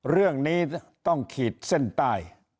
เรื่องนี้ต้องขีดเส้นใต้